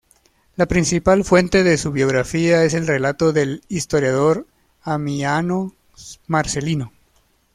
La principal fuente de su biografía es el relato del historiador Amiano Marcelino.